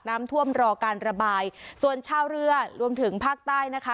น้ำท่วมรอการระบายส่วนชาวเรือรวมถึงภาคใต้นะคะ